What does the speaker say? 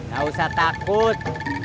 gak usah takut